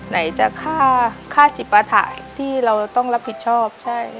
ไหนจะฆ่าจิปฐะที่เราต้องรับผิดชอบ